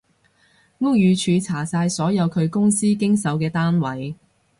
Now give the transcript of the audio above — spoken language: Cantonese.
屋宇署查晒所有佢公司經手嘅單位